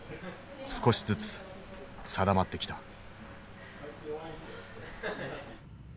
少しずつ定まってきた。